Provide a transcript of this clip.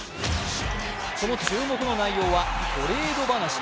その注目の内容はトレード話。